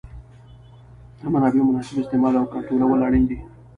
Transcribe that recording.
د منابعو مناسب استعمال او کنټرولول اړین دي.